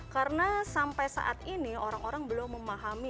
karena sampai saat ini orang orang belum memahami